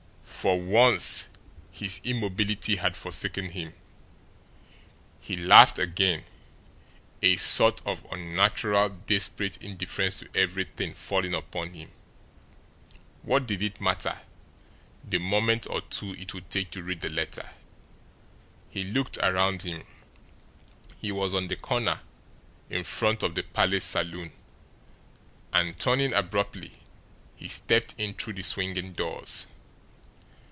For once his immobility had forsaken him. He laughed again a sort of unnatural, desperate indifference to everything falling upon him. What did it matter, the moment or two it would take to read the letter? He looked around him. He was on the corner in front of the Palace Saloon, and, turning abruptly, he stepped in through the swinging doors.